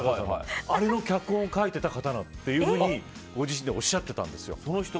あれの脚本を書いてた方ってご自身でおっしゃってたんです。